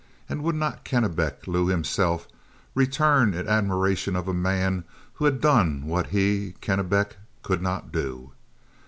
And would not Kennebec Lou himself return in admiration of a man who had done what he, Kennebec, could not do?